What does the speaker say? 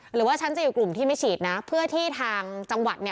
หรือว่าฉันจะอยู่กลุ่มที่ไม่ฉีดนะเพื่อที่ทางจังหวัดเนี่ย